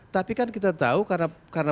tapi kan kita tahu karena